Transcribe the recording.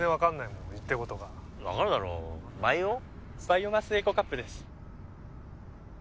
バイオマスエコカップです。